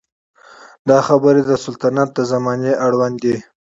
دا خبرې د سلطنت د زمانې اړوند دي.